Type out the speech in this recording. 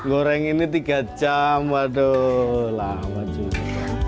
goreng ini tiga jam waduh lama juga